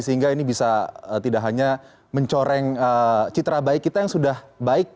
sehingga ini bisa tidak hanya mencoreng citra baik kita yang sudah baik